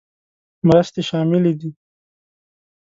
مرستې شاملې دي.